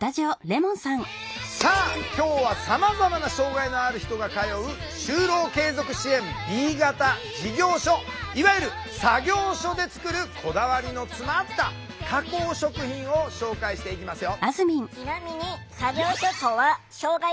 さあ今日はさまざまな障害のある人が通う就労継続支援Ｂ型事業所いわゆる作業所で作るこだわりの詰まった加工食品を紹介していきますよ。